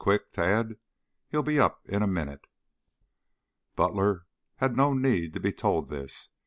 Quick, Tad! He'll be up in a minute!" Butler had no need to be told this.